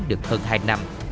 được hơn hai năm